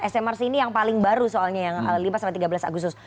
smrc ini yang paling baru soalnya yang lima sampai tiga belas agustus